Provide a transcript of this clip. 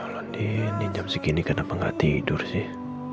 londi andi jam segini kenapa gak tidur sih